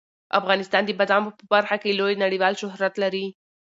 افغانستان د بادامو په برخه کې لوی نړیوال شهرت لري.